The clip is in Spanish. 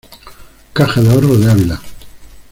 Caja de Ahorros de Ávila.